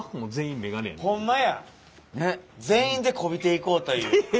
ほんまや全員でこびていこうという。